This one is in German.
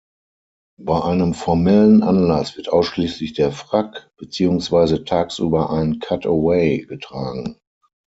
Bei einem formellen Anlass wird ausschließlich der Frack, beziehungsweise tagsüber ein Cutaway, getragen.